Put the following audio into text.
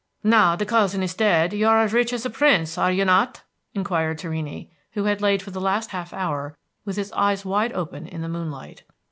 "Now the cousin is dead, you are as rich as a prince, are you not?" inquired Torrini, who had lain for the last half hour with his eyes wide open in the moonlight.